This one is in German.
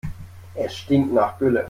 Es stinkt nach Gülle.